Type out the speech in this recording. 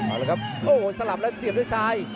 โอ้โหสลับแล้วเสียบด้วยซ้าย